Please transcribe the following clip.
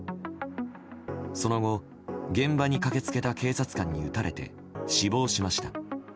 その後、現場に駆けつけた警察官に撃たれて死亡しました。